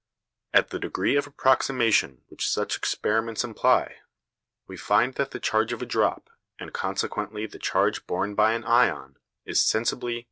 At the degree of approximation which such experiments imply, we find that the charge of a drop, and consequently the charge borne by an ion, is sensibly 3.